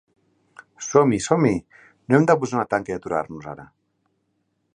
Som-hi, som-hi, no hem de posar una tanca i aturar-nos ara.